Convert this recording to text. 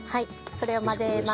それを混ぜます。